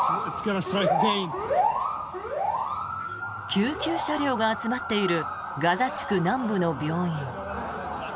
救急車両が集まっているガザ地区南部の病院。